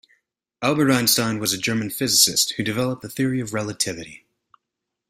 Albert Einstein was a German physicist who developed the Theory of Relativity.